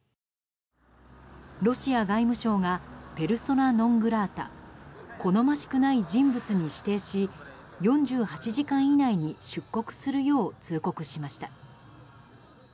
ロシア外務省がペルソナ・ノン・グラータ好ましくない人物に指定し４８時間以内に出国するよう通告しました。